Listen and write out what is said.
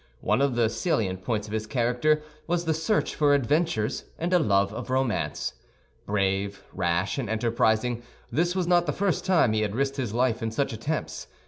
One of the salient points of his character was the search for adventures and a love of romance. Brave, rash, and enterprising, this was not the first time he had risked his life in such attempts.